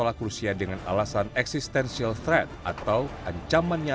coord seberapa angka dombanya